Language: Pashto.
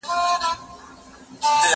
زه پرون ږغ اورم وم!